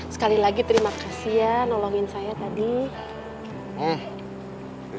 sekali lagi terima kasih ya nolongin saya tadi